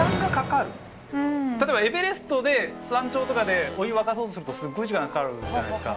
例えばエベレストで山頂とかでお湯沸かそうとするとすっごい時間がかかるじゃないですか。